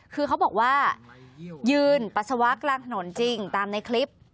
คือเขาบอกว่ายืนปัสสาวะกลางถนนจริงตามในคลิป